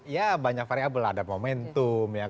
ya banyak variable ada momentum